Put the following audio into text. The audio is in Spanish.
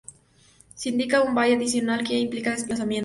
Se indica un byte adicional que implica desplazamiento.